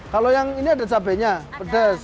kalau yang ini ada cabainya pedas